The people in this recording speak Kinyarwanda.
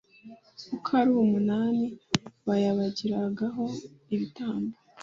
uko ari umunani bayabagiragaho ibitambo